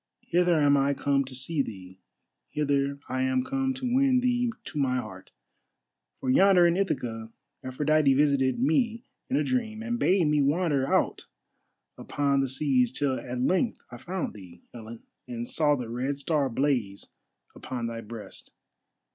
Hither am I come to see thee, hither I am come to win thee to my heart. For yonder in Ithaca Aphrodite visited me in a dream, and bade me wander out upon the seas till at length I found thee, Helen, and saw the Red Star blaze upon thy breast.